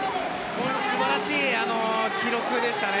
素晴らしい記録でしたね